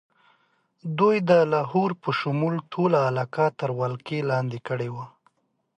دوی د لاهور په شمول ټوله علاقه تر ولکې لاندې کړې وه.